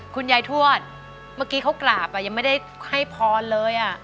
คุณยายทวดเมื่อกี้เขากราบยังไม่ได้ให้พรเลย